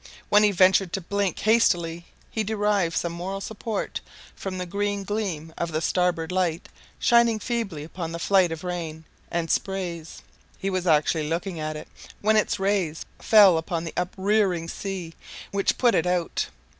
When he ventured to blink hastily, he derived some moral support from the green gleam of the starboard light shining feebly upon the flight of rain and sprays. He was actually looking at it when its ray fell upon the uprearing sea which put it out.